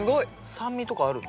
酸味とかあるの？